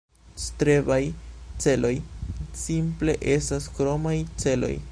Strebaj celoj simple estas kromaj celoj